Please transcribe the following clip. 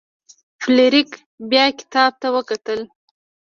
فلیریک بیا کتاب ته وکتل.